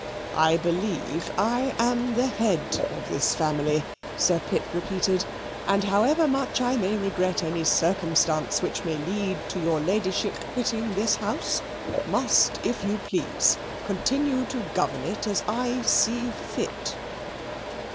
"I believe I am the head of this family," Sir Pitt repeated; "and however much I may regret any circumstance which may lead to your Ladyship quitting this house, must, if you please, continue to govern it as I see fit."